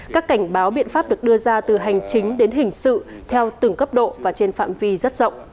các cảnh báo biện pháp được đưa ra từ hành chính đến hình sự theo từng cấp độ và trên phạm vi rất rộng